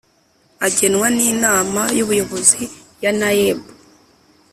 Agenwa n inama y ubuyobozi ya naeb